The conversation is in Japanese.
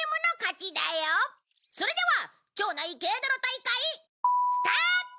それでは町内ケイドロ大会スタート！